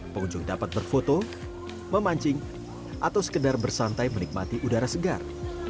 pengunjung dapat berfoto memancing atau sekedar bersantai menikmati udara segar